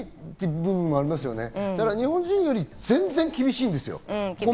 日本人より全然厳しいんですよ。